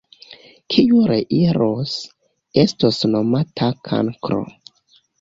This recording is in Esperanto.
Kiu reiros, estos nomata kankro!